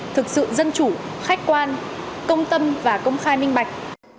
thực sự dân chủ khách quan công tâm và công khai minh bạch